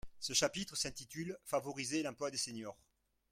Ce chapitre s’intitule Favoriser l’emploi des seniors.